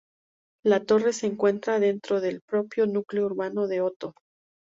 La torre se encuentra dentro del propio núcleo urbano de Oto.